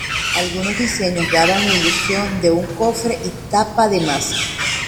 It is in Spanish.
Algunos diseños daban la ilusión de un cofre y tapa de masa.